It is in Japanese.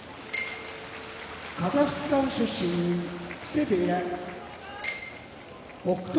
カザフスタン出身木瀬部屋北勝